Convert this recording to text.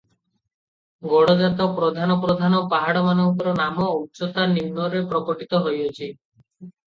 ଗଡ଼ଜାତ ପ୍ରଧାନ ପ୍ରଧାନ ପାହାଡ଼ମାନଙ୍କର ନାମ ଓ ଉଚ୍ଚତା ନିମ୍ନରେ ପ୍ରକଟିତ ହେଉଅଛି ।